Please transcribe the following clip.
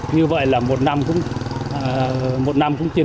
như vậy là một năm cũng chiếm